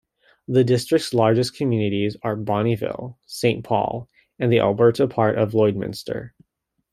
The district's largest communities are Bonnyville, Saint Paul, and the Alberta part of Lloydminster.